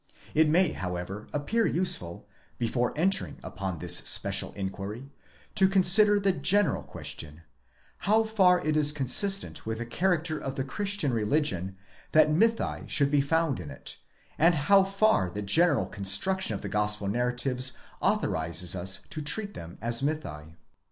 It may however appear useful, before entering upon this special inquiry, to consider the general question, how far it is consistent with the character of the Christian religion that mythi should be found in it, and how far the general construction of the Gospel narratives authorizes us to treat them as mythi.